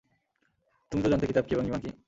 তুমি তো জানতে কিতাব কি এবং ঈমান কি?